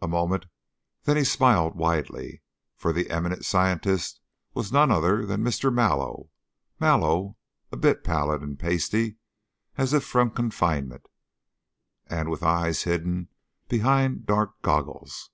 A moment, then he smiled widely, for the eminent scientist was none other than Mr. Mallow Mallow, a bit pallid and pasty, as if from confinement, and with eyes hidden behind dark goggles.